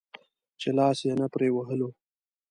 چې لاس يې نه پرې وهلو.